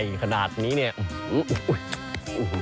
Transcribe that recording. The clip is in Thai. อังุณสังพรานที่หวานยังไม่ได้เคลื่อน